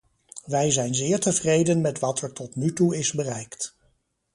Wij zijn zeer tevreden met wat er tot nu toe is bereikt.